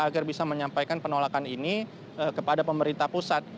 agar bisa menyampaikan penolakan ini kepada pemerintah pusat